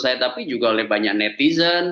saya tapi juga oleh banyak netizen